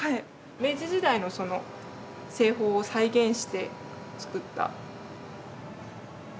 明治時代の製法を再現して造った。